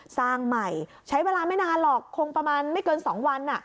สร้างใหม่ใช้เวลาไม่นานหรอกคงประมาณไม่เกิน๒วัน